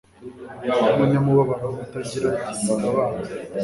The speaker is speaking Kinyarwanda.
n'umunyamubabaro utagira gitabara